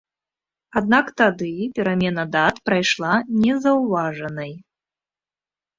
Аднак тады перамена дат прайшла незаўважанай.